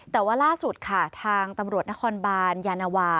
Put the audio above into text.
แต่ว่าล่าสุดค่ะทางตำรวจนครบานยานวา